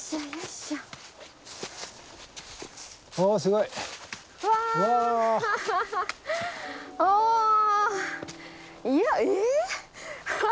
いやえっ！